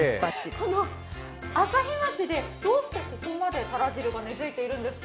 この朝日町でどうしてここまでたら汁が根付いているんですか？